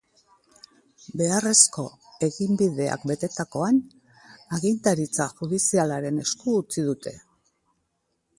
Beharrezko eginbideak betetakoan, agintaritza judizialaren esku utzi dute.